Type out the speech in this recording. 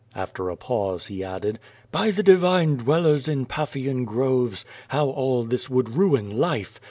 After a pause he added: "IW the divine dwellers in Paphian groves, how all this would ruin life!